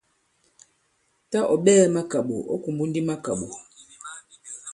Tâ ɔ̀ ɓɛɛ̄ makàɓò, ɔ̌ kùmbu ndi makàɓò.